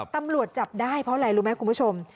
ตำรวจจับได้เพราะอะไรรู้ไหมคุณผู้ชม